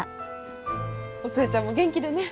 お寿恵ちゃんも元気でね。